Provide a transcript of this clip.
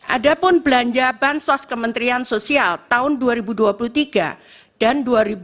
ada pun belanja bansos kementerian sosial tahun dua ribu dua puluh tiga dan dua ribu dua puluh